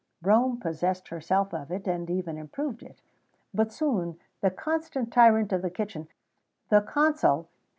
Rome possessed herself of it, and even improved it; but soon the constant tyrant of the kitchen, the Consul, C.